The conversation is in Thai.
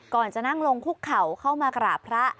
ก่อนจะนั่งลงคุกเข่าเข้ามากราบพระ